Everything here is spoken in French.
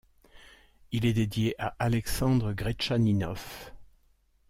Il est dédié à Alexandre Gretchaninov.